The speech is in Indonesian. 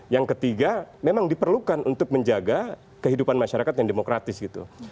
yang ketiga memang diperlukan untuk menjaga kehidupan masyarakat yang demokratis gitu